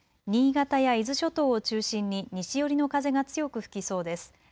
新潟や伊豆諸島を中心に西寄りの風が強く吹きそうです。